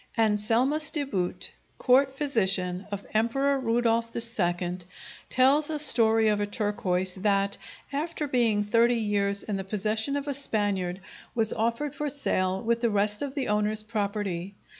Anselmus de Boot, court physician of Emperor Rudolph II, tells a story of a turquoise that, after being thirty years in the possession of a Spaniard, was offered for sale with the rest of the owner's property.